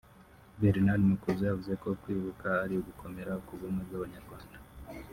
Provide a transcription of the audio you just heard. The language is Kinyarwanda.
Bernard Makuza yavuze ko kwibuka ari ugukomera ku bumwe bw'abanyarwanda